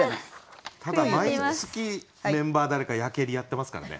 ただ毎月メンバー誰かやけりやってますからね。